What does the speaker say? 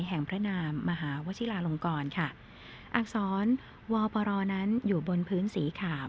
แห่งพระนามมหาวชิลาลงกรค่ะอักษรวปรนั้นอยู่บนพื้นสีขาว